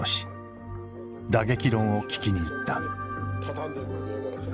打撃論を聞きに行った。